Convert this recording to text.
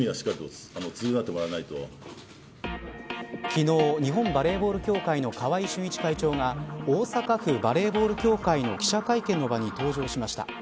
昨日、日本バレーボール協会の川合俊一会長が大阪府バレーボール協会の記者会見の場に登場しました。